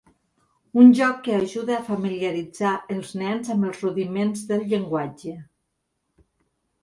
Un joc que ajuda a familiaritzar els nens amb els rudiments del llenguatge.